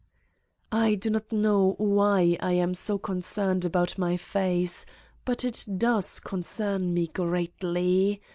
I do not know why I am so concerned about my face, but it does concern me greatly.